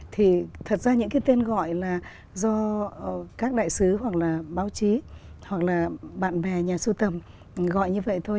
thì thật ra những cái tên gọi là do các đại sứ hoặc là báo chí hoặc là bạn bè nhà sưu tầm gọi như vậy thôi